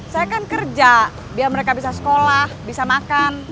saya kan kerja biar mereka bisa sekolah bisa makan